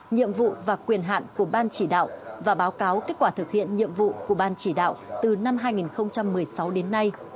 nhiệm vụ và quyền hạn của ban chỉ đạo và báo cáo kết quả thực hiện nhiệm vụ của ban chỉ đạo từ năm hai nghìn một mươi sáu đến nay